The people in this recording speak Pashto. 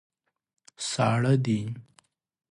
ساړه دي.